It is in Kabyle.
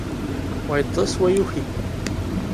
Wa yeṭṭes, wa yuki.